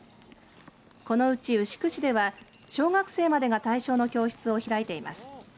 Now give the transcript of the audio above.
このうち牛久市では小学生までが対象の教室を開いています。